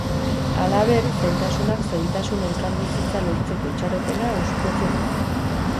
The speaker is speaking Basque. Halaber, zailtasunak zailtasun elkarbizitza lortzeko itxaropena hauspotzen du.